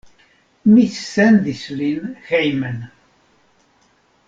Mi sendis lin hejmen.